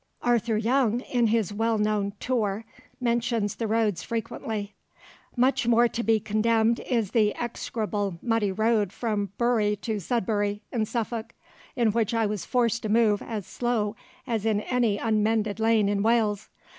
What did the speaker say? Arthur Young in his well known Tour mentions the roads frequently: "Much more to be condemned is the execrable muddy road from Bury to Sudbury in Suffolk, in which I was forced to move as slow as in any unmended lane in Wales.